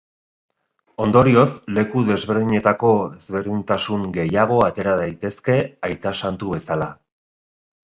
Ondorioz leku desberdinetako ezberdintasun gehiago atera daitezke Aita Santu bezala.